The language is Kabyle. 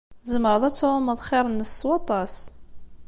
Tzemreḍ ad tɛumeḍ xir-nnes s waṭas.